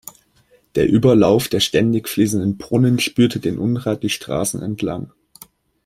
Der Überlauf der ständig fließenden Brunnen spülte den Unrat die Straßen entlang.